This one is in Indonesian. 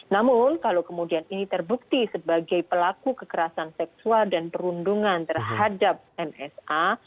namun kalau kemudian ini terbukti sebagai pelaku kekerasan seksual dan perundungan terhadap msa